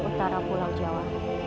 utara pulau jawa